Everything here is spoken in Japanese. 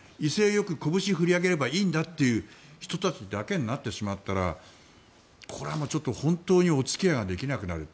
よくこぶしを振り上げればいいんだという人たちだけになってしまったらこれは本当にお付き合いができなくなる。